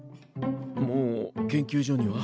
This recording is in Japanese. もう研究所には？